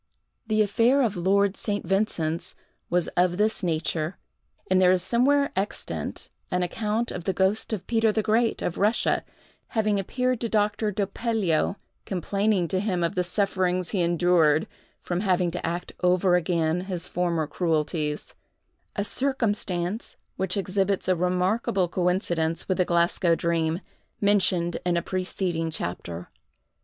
The affair of Lord St. Vincent's was of this nature; and there is somewhere extant, an account of the ghost of Peter the Great, of Russia, having appeared to Doctor Doppelio, complaining to him of the sufferings he endured from having to act over again his former cruelties; a circumstance which exhibits a remarkable coincidence with the Glasgow dream, mentioned in a preceding chapter.